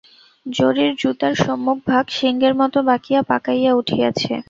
জরির জুতার সম্মুখভাগ শিঙের মতো বাঁকিয়া পাকাইয়া উঠিয়াছে।